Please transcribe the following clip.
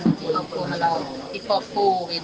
อยากให้สังคมรับรู้ด้วย